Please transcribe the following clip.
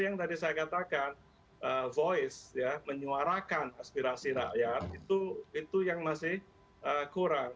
yang tadi saya katakan voice ya menyuarakan aspirasi rakyat itu yang masih kurang